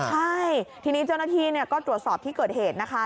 ใช่ทีนี้เจ้าหน้าที่ก็ตรวจสอบที่เกิดเหตุนะคะ